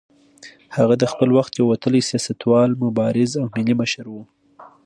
هغه د خپل وخت یو وتلی سیاستوال، مبارز او ملي مشر و.